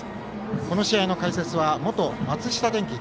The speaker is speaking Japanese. この試合の解説は元松下電器